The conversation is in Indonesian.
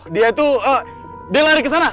dia itu dia lari ke sana